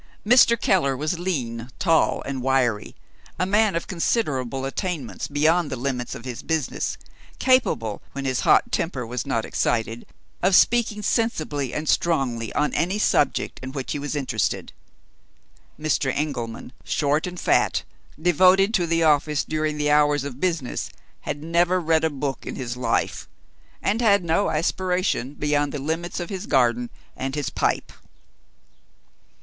Mr. Keller was lean, tall, and wiry a man of considerable attainments beyond the limits of his business, capable (when his hot temper was not excited) of speaking sensibly and strongly on any subject in which he was interested. Mr. Engelman, short and fat, devoted to the office during the hours of business, had never read a book in his life, and had no aspiration beyond the limits of his garden and his pipe.